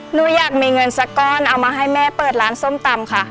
หนูอยากมีเงินสักก้อนเอามาให้แม่เปิดร้านส้มตำค่ะ